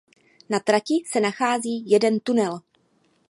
Na trati se nachází jeden tunel.